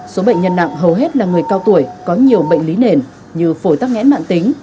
số bệnh nhân nặng hầu hết là người cao tuổi có nhiều bệnh lý nền như phổi tắc nghẽn mạng tính